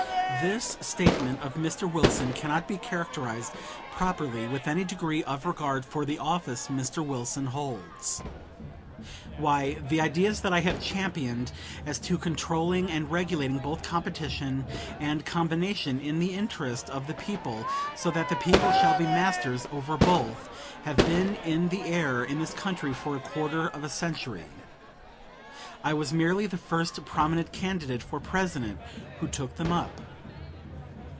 This statement of Mr. Wilson cannot be characterized properly with any degree of regard for the office Mr. Wilson holds. Why, the ideas that I have championed as to controlling and regulating both competition and combination in the interest of the people, so that the people shall be masters over both, have been in the air in this country for a quarter of a century. I was merely the first prominent candidate for President who took them up.